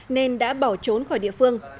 nên đã bỏ trốn khỏi địa phương